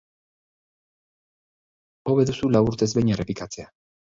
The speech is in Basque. Hobe duzu lau urtez behin errepikatzea.